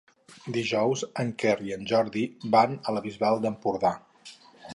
Dijous en Quer i en Jordi van a la Bisbal d'Empordà.